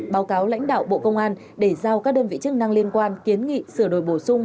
báo cáo lãnh đạo bộ công an để giao các đơn vị chức năng liên quan kiến nghị sửa đổi bổ sung